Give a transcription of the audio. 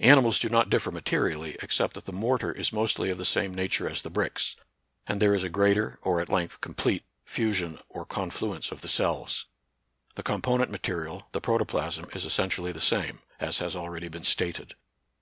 Animals do not differ materially, except that the mortar is mostly of the same nature as the bricks, and there is a greater or at length complete fusion or confluence of the cells. The component mate rial, the protoplasm, is essentially the same, as has already been stated.